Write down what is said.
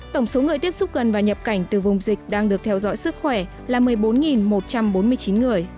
tổng số người tiếp xúc gần và nhập cảnh từ vùng dịch đang được theo dõi sức khỏe là một mươi bốn một trăm bốn mươi chín người